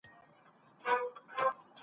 زه مخکې څو پیغامونه ولیکل.